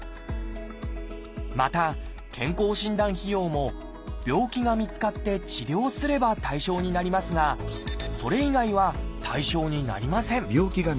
また健康診断費用も病気が見つかって治療すれば対象になりますがそれ以外は対象になりません。